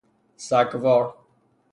سگوار